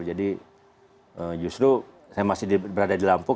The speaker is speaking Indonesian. jadi justru saya masih berada di lampung